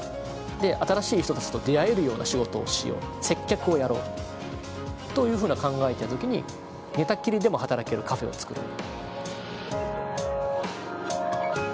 で新しい人たちと出会えるような仕事をしよう接客をやろうというふうな考えた時に寝たきりでも働けるカフェをつくろう。